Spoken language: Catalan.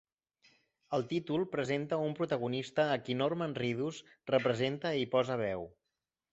El títol presenta un protagonista a qui Norman Reedus representa i posa veu.